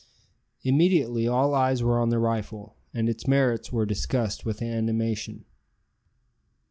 Immediately all eyes were on the rifle, and its merits were discussed with animation.